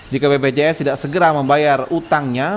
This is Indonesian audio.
jika bpjs tidak segera membayar utangnya